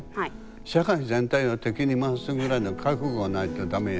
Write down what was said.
社会全体を敵に回すぐらいの覚悟がないとダメよ。